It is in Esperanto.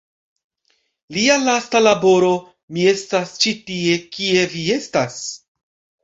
Lia lasta laboro "Mi estas ĉi tie- Kie vi estas?